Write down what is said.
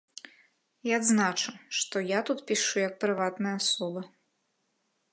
І адзначу, што я тут пішу як прыватная асоба.